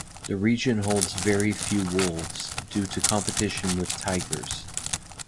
The region holds very few wolves, due to competition with tigers.